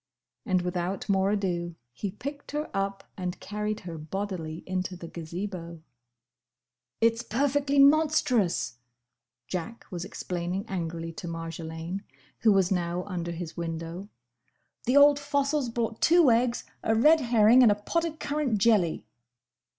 And without more ado, he picked her up and carried her bodily into the Gazebo. "It's perfectly monstrous!" Jack was explaining angrily to Marjolaine, who was now under his window. "The old fossil's brought two eggs, a red herring, and a pot of currant jelly!"